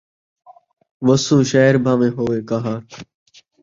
وسو شہر بھان٘ویں ہووے قہر